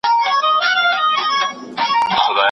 په خوښۍ د مدرسې پر لور روان وه